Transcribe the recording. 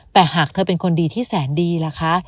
แต่หากเธอเป็นคนดีที่แสนดีล่ะคะ